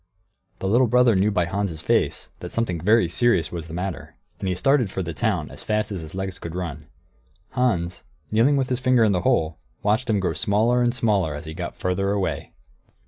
The little brother knew by Hans' face that something very serious was the matter, and he started for the town, as fast as his legs could run. Hans, kneeling with his finger in the hole, watched him grow smaller and smaller as he got farther away.